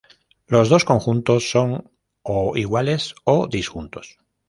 Los dos conjuntos son o iguales o disjuntos.